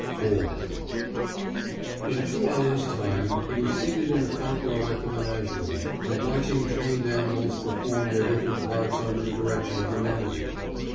IV In two hours' time he was seated in the front row at the menagerie, and watching trained animals perform their different parts under the direction of the manager.